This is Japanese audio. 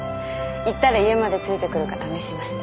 言ったら家までついてくるか試しました。